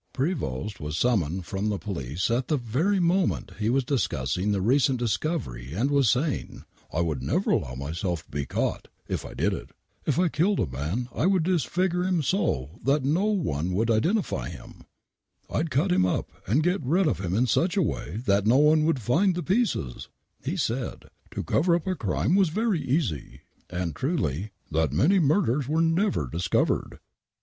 Prevost was summoned from the police at the very moment he was discussing the recent discovery and was saying, " I would never allow myself to be caught, if I did it. If I killed a man I would disfigure him so that no one would identify him. I'd cut him up and get rid of him in such a waythat no one would find the pieces." He said, " to cover up. a crime was very easy," and truly, *' that many murders were never discovered."